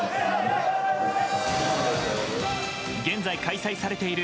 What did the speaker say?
現在開催されている